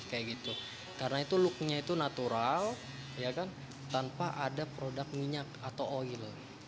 karena itu looknya itu natural ya kan tanpa ada produk minyak atau oil